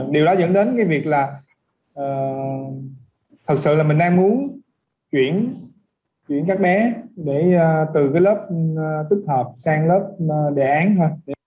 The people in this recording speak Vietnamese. điều đó dẫn đến cái việc là thật sự là mình đang muốn chuyển các bé để từ cái lớp tích hợp sang lớp đề án thôi